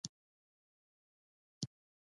د بیلګې په ډول د ناروغ له مټ څخه پوستکی اخلي.